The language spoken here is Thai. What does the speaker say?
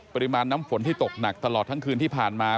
ปริมาณน้ำฝนที่ตกหนักตลอดทั้งคืนที่ผ่านมา